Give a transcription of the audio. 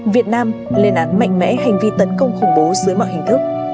việt nam lên án mạnh mẽ hành vi tấn công khủng bố dưới mọi hình thức